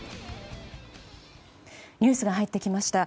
ニュースが入ってきました。